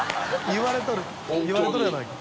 言われとるやないか。